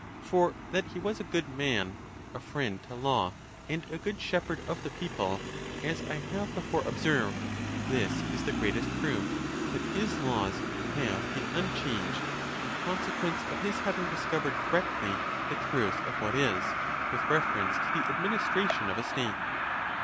For that he was a good man, a friend to law, and a good shepherd of the people, as I have before ob served, this is the greatest proof, that his laws have been un changed, in consequence of his having discovered correctly the truth of what is, with reference to the administration of a state.